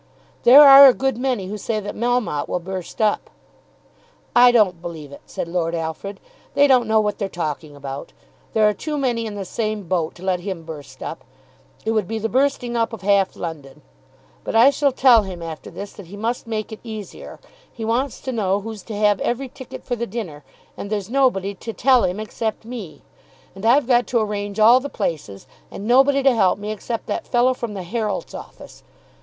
"There are a good many who say that Melmotte will burst up." "I don't believe it," said Lord Alfred. "They don't know what they're talking about. There are too many in the same boat to let him burst up. It would be the bursting up of half London. But I shall tell him after this that he must make it easier. He wants to know who's to have every ticket for the dinner, and there's nobody to tell him except me. And I've got to arrange all the places, and nobody to help me except that fellow from the Herald's office.